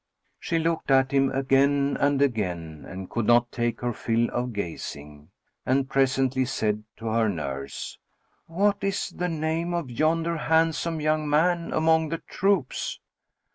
She looked at him again and again and could not take her fill of gazing; and presently said to her nurse, "What is the name of yonder handsome young man among the troops?"